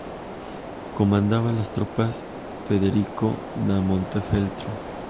Comandaba las tropas Federico da Montefeltro.